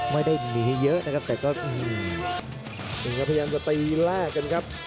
ไม่ได้หนีเยอะนะครับแต่ก็นี่ครับพยายามจะตีแลกกันครับ